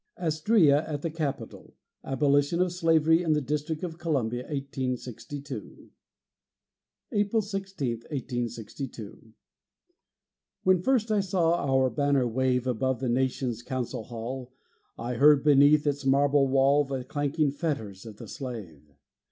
ASTRÆA AT THE CAPITOL ABOLITION OF SLAVERY IN THE DISTRICT OF COLUMBIA, 1862 [April 16, 1862] When first I saw our banner wave Above the nation's council hall, I heard beneath its marble wall The clanking fetters of the slave!